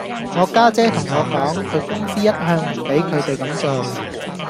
我家姐同我講，佢公司一向唔俾佢地咁做